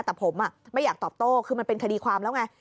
แต่ผมไม่อยากตอบโต้คือมันเป็นคดีความแล้วไง